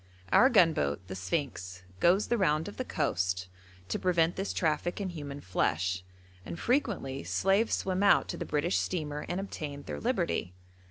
Our gunboat, the Sphinx, goes the round of the coast to prevent this traffic in human flesh, and frequently slaves swim out to the British steamer and obtain their liberty.